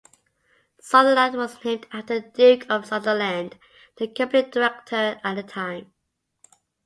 Sutherland was named after the Duke of Sutherland the company director at the time.